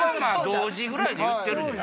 同時ぐらいで言ってるで。